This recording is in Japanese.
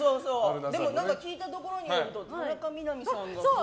でも聞いたところによると田中みな実さんが。